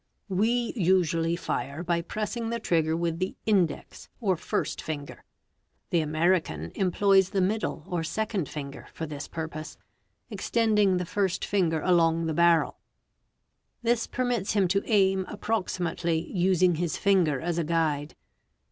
We usually fire by pressing the trigger with the index or first finger; the American mploys the middle or second finger for this purpose, ex tending the first finger along the barrel, Fig. 56. This permits him to aim approxi mately, using his finger as a guide.